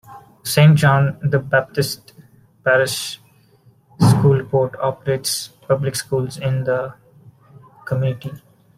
Saint John the Baptist Parish School Board operates public schools in the community.